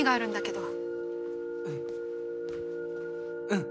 うん。